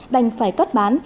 đành phải cắt bán